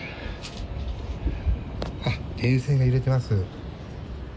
電線が揺れています。